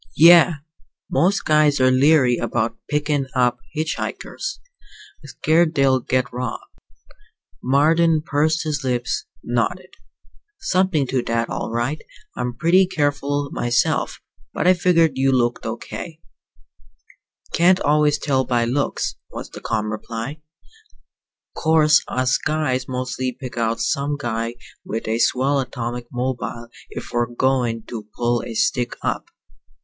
"Yeah. Most guys are leery about pickin' up hitch hikers. Scared they'll get robbed." Marden pursed his lips, nodded. "Something to that, all right. I'm usually pretty careful myself; but I figured you looked okay." "Can't always tell by looks," was the calm reply. "'Course us guys mostly pick out some guy with a swell atomic mobile if we're goin' to pull a stick up.